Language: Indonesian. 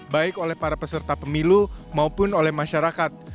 baik oleh para peserta pemilu maupun oleh masyarakat